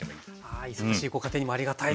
忙しいご家庭にもありがたいですね。